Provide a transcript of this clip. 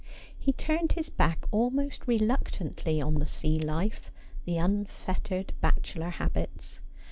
He turned his back almost reluctantly on the sea life, the unfettered bachelor habits.